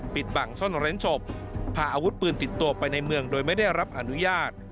ปิดบังซ่อนเร้นศพพาอาวุธปืนติดตัวไปในเมืองโดยไม่ได้รับอนุญาต